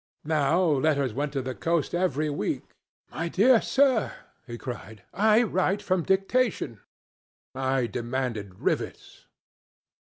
Now letters went to the coast every week. ... 'My dear sir,' he cried, 'I write from dictation.' I demanded rivets.